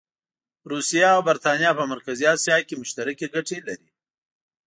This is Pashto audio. روسیه او برټانیه په مرکزي اسیا کې مشترکې ګټې لري.